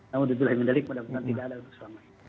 namun di wilayah menderik mudah mudahan tidak ada yang bersama